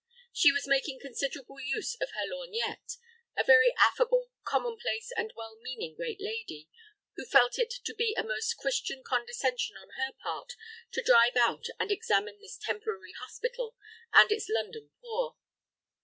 She was making considerable use of her lorgnette—a very affable, commonplace, and well meaning great lady, who felt it to be a most Christian condescension on her part to drive out and examine this temporary hospital and its London poor.